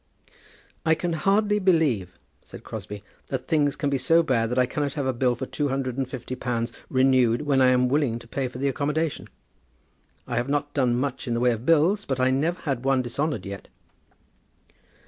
"I can hardly believe," said Crosbie, "that things can be so bad that I cannot have a bill for two hundred and fifty pounds renewed when I am willing to pay for the accommodation. I have not done much in the way of bills, but I never had one dishonoured yet."